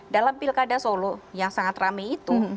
dalam pilkada solo yang sangat rame itu